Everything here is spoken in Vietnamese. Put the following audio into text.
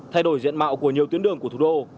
thay đổi diện mạo của nhiều tuyến đường của thủ đô